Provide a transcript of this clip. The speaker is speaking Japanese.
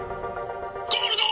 「ゴールド！」。